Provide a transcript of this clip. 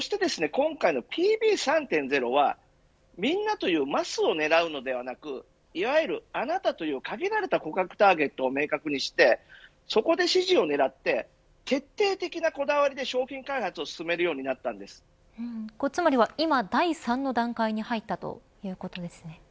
今回のＰＢ３．０はみんなというマスを狙うのではなくいわゆる、あなたという限られた顧客ターゲットを明確にしてそこで支持を狙って決定的なこだわりで商品開発をつまりは今第３の段階に入ったということですね。